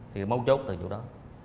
thì mấu chốt từ chỗ đó